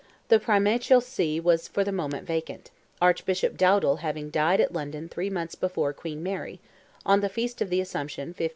The primatial see was for the moment vacant, Archbishop Dowdal having died at London three months before Queen Mary—on the Feast of the Assumption, 1558.